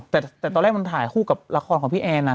แต่ตอนแรกมันถ่ายคู่กับละครของพี่แอนนะ